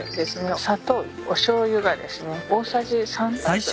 砂糖おしょうゆがですね大さじ３杯ぐらい。